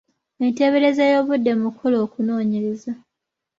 Enteebereza y’obudde mu kukola okunoonyereza.